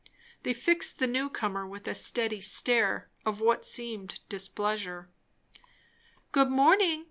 They fixed the new comer with a steady stare of what seemed displeasure. "Good morning!"